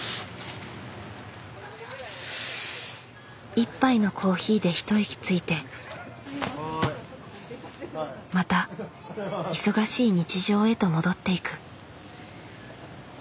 一杯のコーヒーで一息ついてまた忙しい日常へと戻っていく。